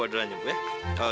udah petakan u bewil